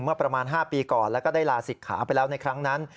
เมื่อประมาณ๕ปีก่อนแล้วก็ได้ลาศิกขาไปแล้วในครั้งนั้น